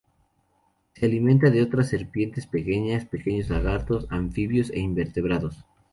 Se alimenta de otras serpientes pequeñas, pequeños lagartos, anfibios e invertebrados.